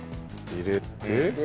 入れて。